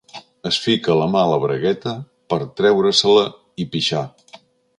Es fica la mà a la bragueta per treure-se-la i pixar.